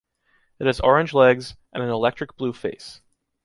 It has orange legs, and an electric blue face.